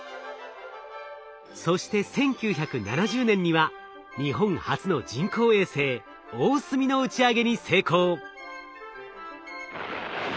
そして１９７０年には日本初の人工衛星「おおすみ」の打ち上げに成功。